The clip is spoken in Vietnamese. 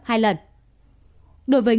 đối với người từ vùng vàng